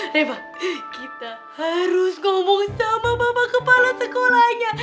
hebat kita harus ngomong sama bapak kepala sekolahnya